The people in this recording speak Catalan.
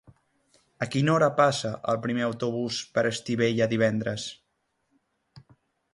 A quina hora passa el primer autobús per Estivella divendres?